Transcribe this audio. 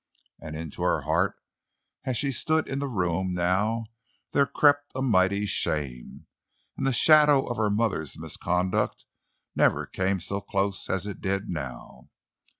And into her heart as she stood in the room, now, there crept a mighty shame—and the shadow of her mother's misconduct never came so close as it did now.